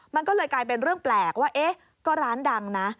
มันก็เลยกลายเป็นเรื่องแปลกว่าเอ๊ะก็ร้านดังนะ